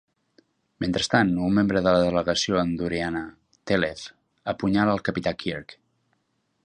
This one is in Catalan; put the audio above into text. Mentrestant, un membre de la delegació andoriana, Thelev, apunyala el capità Kirk.